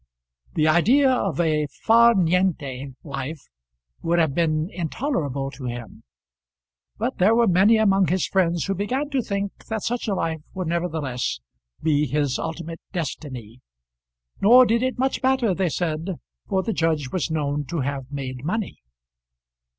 The idea of a far niente life would have been intolerable to him; but there were many among his friends who began to think that such a life would nevertheless be his ultimate destiny. Nor did it much matter, they said, for the judge was known to have made money.